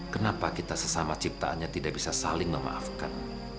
kenapa kita sesama ciptaannya tidak bisa saling memaafkan